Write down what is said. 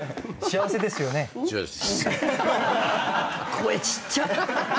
声ちっちゃ！